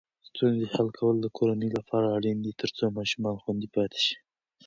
ستونزې حل کول د کورنۍ لپاره اړین دي ترڅو ماشومان خوندي پاتې شي.